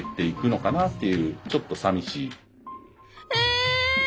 え！